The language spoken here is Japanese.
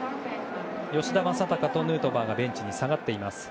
吉田正尚とヌートバーがベンチに下がっています。